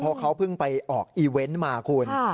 เพราะเขาเพิ่งไปออกอีเวนต์มาคุณ